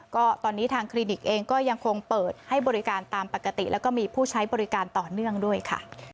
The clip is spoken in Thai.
ก็ตอนนี้ทางคลินิกเองก็ยังคงเปิดให้บริการตามปกติแล้วก็มีผู้ใช้บริการต่อเนื่องด้วยค่ะ